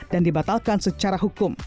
dan dibatalkan secara hukum